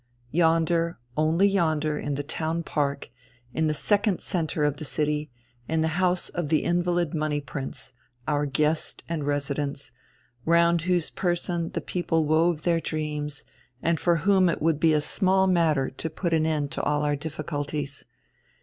Yonder, only yonder, in the Town Park, in the second centre of the city, in the house of the invalid Money Prince, our guest and resident, round whose person the people wove their dreams, and for whom it would be a small matter to put an end to all our difficulties.